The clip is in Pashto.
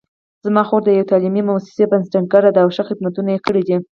زما خور د یوې تعلیمي مؤسسې بنسټګره ده او ښه خدمتونه یې کړي دي